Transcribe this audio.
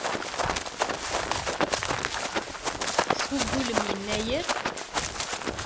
Tesfugulem Yennayer?